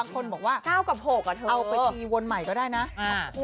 มีคนบอกว่าเก้ากับโภกเหรอเธอเอาไปตีวนใหม่ก็ได้น่ะเออ